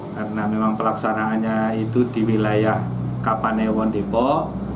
karena memang pelaksananya itu di wilayah kapanewon depok